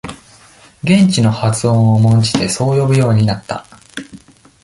現地の発音を重んじて、そう呼ぶようになった。